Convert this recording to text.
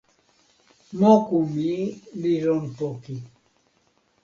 moku mi li lon poki.